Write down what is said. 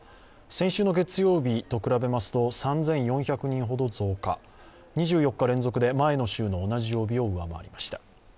先週の月曜日と比べますと３４００人ほど増加、２４日連続で前の週の同じ曜日を上回りました。